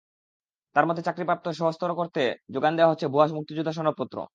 তার মধ্যে চাকরি প্রাপ্তি সহজতর করতে জোগান দেওয়া হয়েছে ভুয়া মুক্তিযোদ্ধা সনদপত্র।